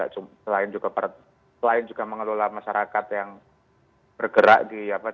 selain juga per selain juga mengelola masyarakat yang bergerak di apa di ymkm dan lain lain